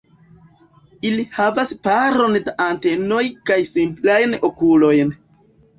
Ili havas paron da antenoj kaj simplajn okulojn.